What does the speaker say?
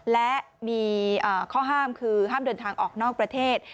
และมีข้อห้ามคือห้ามเดินทางออกนอกประเทศ